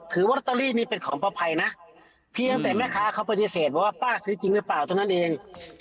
ถือว่ารัตรีนี้เป็นของป้าพัยนะเพียงตั้งแต่แม่ค้าเขาปฏิเสธว่าป้าซื้อจริงหรือเปล่าตัวนั้นเอง